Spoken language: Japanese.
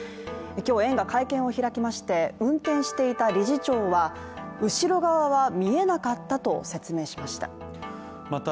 今日、園が会見を開きまして運転していた理事長は後ろ側は見えなかったと説明しました。